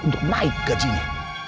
untuk naik gajinya